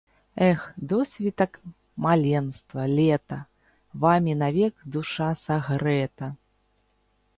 Эх, досвітак маленства, лета! Вамі навек душа сагрэта!